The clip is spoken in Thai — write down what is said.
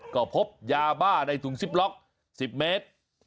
ก็พบยาบ้าในถุงซิปล็อก๑๐เมตร